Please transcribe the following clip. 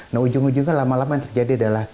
nah ujung ujungnya lama lama yang terjadi adalah